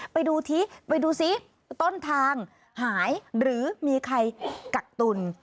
ไปดูซิต้นทางหายหรือมีใครกักตุ้น